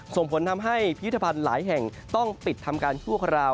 ส่งผลทำให้พิพิธภัณฑ์หลายแห่งต้องปิดทำการชั่วคราว